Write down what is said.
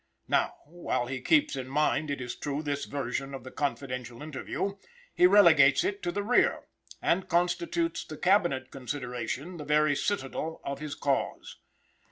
Now, while he keeps in mind, it is true, this version of the confidential interview, he relegates it to the rear, and constitutes the Cabinet consideration the very citadel of his cause.